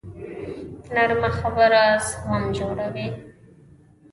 نرمه خبره زخم جوړوي